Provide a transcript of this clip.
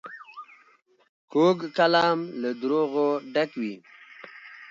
کوږ کلام له دروغو ډک وي